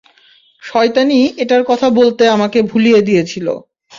শয়তানই এটার কথা বলতে আমাকে ভুলিয়ে দিয়েছিল।